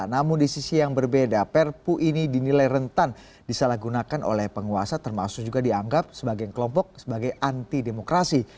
namun di sisi yang berbeda perpu ini dinilai rentan disalahgunakan oleh penguasa termasuk juga dianggap sebagai kelompok sebagai anti demokrasi